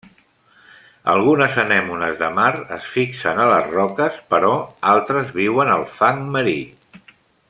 Algunes anemones de mar es fixen a les roques, però altres viuen al fang marí.